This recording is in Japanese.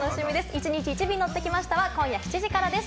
『１日１便乗ってきました』は今夜７時からです。